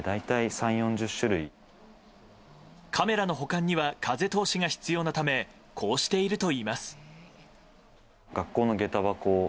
カメラの保管には風通しが必要なためこうしているといいます。